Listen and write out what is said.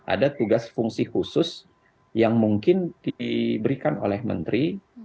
ada tugas fungsi khusus yang mungkin diberikan oleh menteri